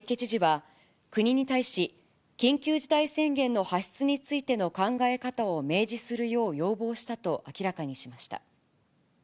東京都の小池知事は、国に対し、緊急事態宣言の発出についての考え方を明示するよう要望したと明らかにしました。